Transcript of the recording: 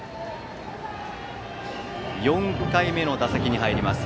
４回目の打席に入る